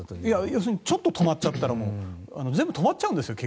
要するにちょっと止まっちゃったら全部止まっちゃうんですよ。